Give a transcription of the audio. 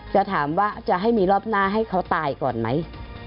จะถามว่าจะให้มีรอบหน้าให้เขาตายก่อนไหม